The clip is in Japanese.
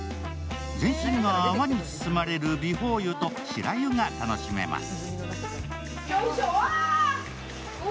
全身が泡に包まれる美泡湯と白湯が楽しめます。